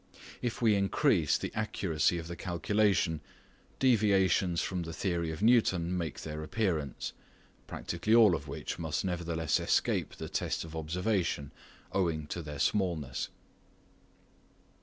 If we increase the accuracy of the calculation, deviations from the theory of Newton make their appearance, practically all of which must nevertheless escape the test of observation owing to their smallness.